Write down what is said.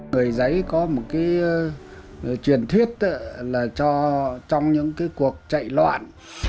người giấy có một truyền thuyết là trong những cuộc chạy loạn